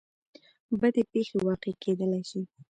بدې پېښې واقع کېدلی شي.